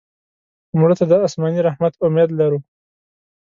مړه ته د آسماني رحمت امید لرو